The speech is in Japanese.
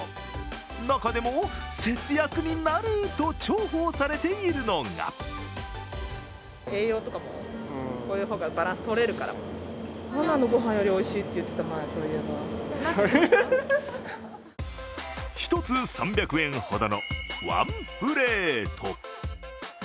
中でも節約になると重宝されているのが１つ３００円ほどのワンプレート。